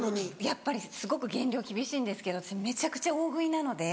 やっぱりすごく減量厳しいんですけどめちゃくちゃ大食いなので。